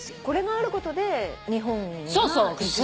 これがあることで日本が。